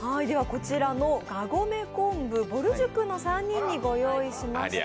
こちらのがごめ昆布、ぼる塾の３人にご用意しました。